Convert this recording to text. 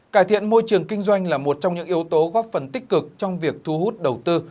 cải thiện môi trường kinh doanh là một trong những yếu tố góp phần tích cực trong việc thu hút đầu tư